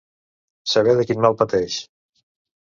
Saber de quin mal pateix.